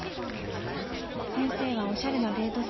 先生はおしゃれなデート